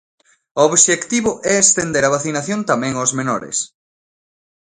O obxectivo é estender a vacinación tamén aos menores.